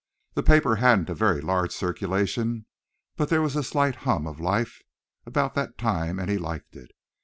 The paper hadn't a very large circulation but there was a slight hum of life about that time and he liked it.